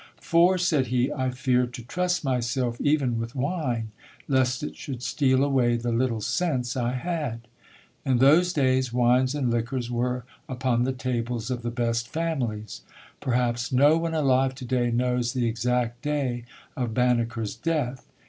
"For", said he, "I feared to trust myself even with wine, lest it should steal away the little sense I had." In those days wines and liquors were upon the tables of the best families. Perhaps no one alive today knows the exact day of Banneker's death.